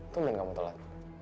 tuh mending kamu telat